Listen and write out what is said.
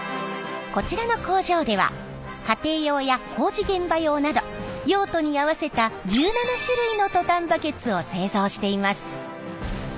こちらの工場では家庭用や工事現場用など用途に合わせた１７種類のトタンバケツを製造しています。